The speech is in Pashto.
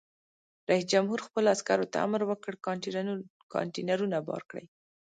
رئیس جمهور خپلو عسکرو ته امر وکړ؛ کانټینرونه بار کړئ!